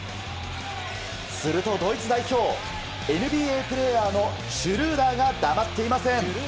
するとドイツ代表、ＮＢＡプレーヤーのシュルーダーが黙っていません。